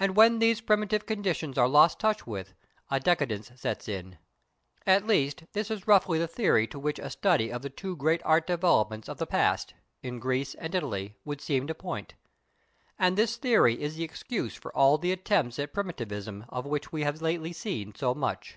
And when these primitive conditions are lost touch with, a decadence sets in. At least, this is roughly the theory to which a study of the two great art developments of the past, in Greece and Italy, would seem to point. And this theory is the excuse for all the attempts at primitivism of which we have lately seen so much.